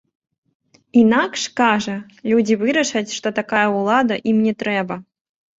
Інакш, кажа, людзі вырашаць, што такая ўлада ім не трэба.